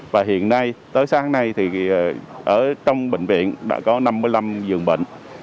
và hiện nay tới sáng nay thì ở trong bệnh viện đã có năm mươi năm giường bệnh